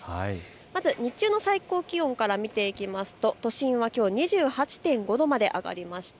まず日中の最高気温から見ていきますと都心はきょう、２８．５度まで上がりました。